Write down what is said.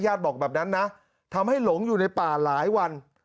บอกแบบนั้นนะทำให้หลงอยู่ในป่าหลายวัน